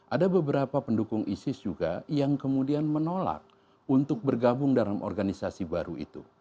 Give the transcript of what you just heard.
ada beberapa pendukung isis juga yang kemudian menolak untuk bergabung dalam organisasi baru itu